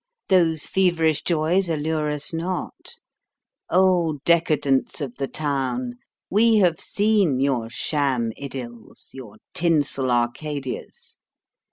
Those feverish joys allure us not. O decadents of the town, we have seen your sham idyls, your tinsel Arcadias.